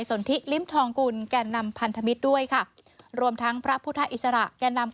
สนทิลิ้มทองกุลแก่นำพันธมิตรด้วยค่ะรวมทั้งพระพุทธอิสระแก่นำ